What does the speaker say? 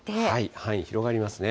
範囲広がりますね。